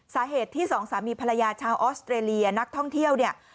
สาเหตุที่สองสามีภรรยาชาวออสเตรเลียนักท่องเที่ยวเนี่ย